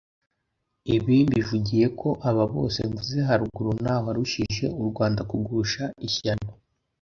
Ibi mbivugiye ko aba bose mvuze haruguru ntawarurushije u Rwanda kugusha ishyano